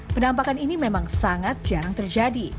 penampakan ini memang sangat jarang terjadi